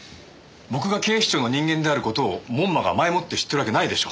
僕が警視庁の人間である事を門馬が前もって知っているわけないでしょ。